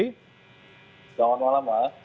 selamat malam mas